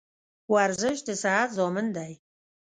ورزش د صحت ضامن دی